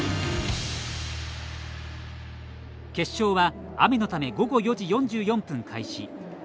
決勝は、雨のため午後４時４４分開始。